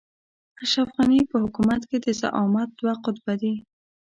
د اشرف غني په حکومت کې د زعامت دوه قطبه دي.